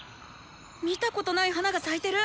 見たことない花が咲いてる。